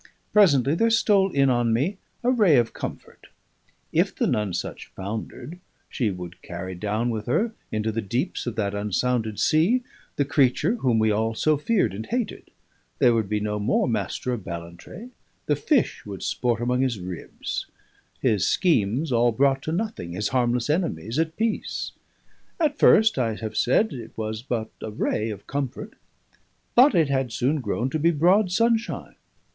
Presently there stole in on me a ray of comfort. If the Nonesuch foundered, she would carry down with her into the deeps of that unsounded sea the creature whom we all so feared and hated; there would be no more Master of Ballantrae, the fish would sport among his ribs; his schemes all brought to nothing, his harmless enemies at peace. At first, I have said, it was but a ray of comfort; but it had soon grown to be broad sunshine.